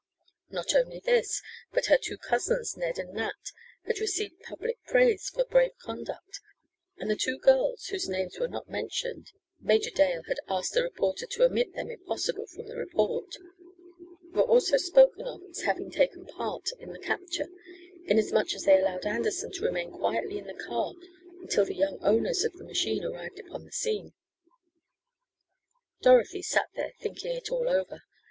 Not only this but her two cousins, Ned and Nat, had received public praise for brave conduct, and the two girls, whose names were not mentioned (Major Dale had asked the reporter to omit them if possible from the report), were also spoken of as having taken part in the capture, inasmuch as they allowed Anderson to remain quietly in the car until the young owners of the machine arrived upon the scene. Dorothy sat there thinking it all over.